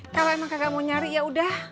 kalau emang kagak mau nyari yaudah